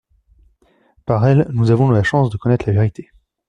Par elle, nous avons des chances de connaître la vérité.